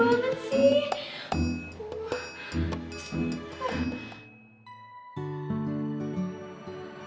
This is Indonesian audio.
aduh ya ampun sama